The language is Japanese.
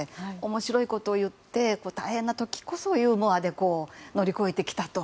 面白いことを言って大変な時こそユーモアで乗り越えてきたと。